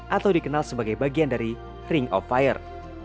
atau dikenal sebagai bagian dari ring of fire